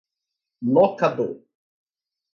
locador